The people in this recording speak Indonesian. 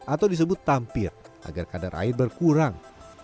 atau disebut tampir agar kadar air berkurang